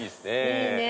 いいね。